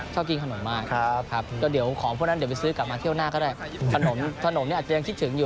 ชอบกินขนมมากครับก็เดี๋ยวของพวกนั้นเดี๋ยวไปซื้อกลับมาเที่ยวหน้าก็ได้ขนมเนี่ยอาจจะยังคิดถึงอยู่